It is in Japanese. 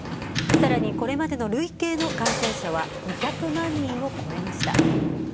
さらに、これまでの累計の感染者は２００万人を超えました。